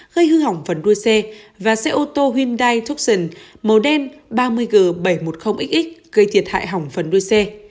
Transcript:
gây hư hỏng phần đuôi xe và xe ô tô hyundai topsion màu đen ba mươi g bảy trăm một mươi x gây thiệt hại hỏng phần đuôi xe